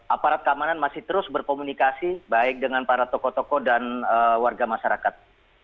aparat keamanan masih terus berkomunikasi baik dengan para tokoh tokoh dan warga masyarakat